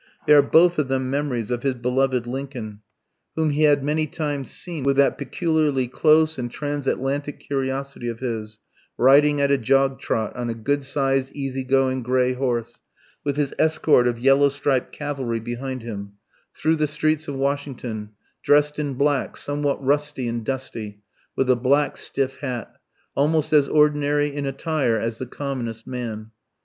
They are both of them memories of his beloved Lincoln, whom he had many times seen, with that peculiarly close and transatlantic curiosity of his, riding at a jog trot, on a good sized, easy going grey horse, with his escort of yellow striped cavalry behind him, through the streets of Washington dressed in black, somewhat rusty and dusty, with a black, stiff hat, almost as ordinary in attire as the commonest man.